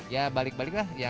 ya balik balik lah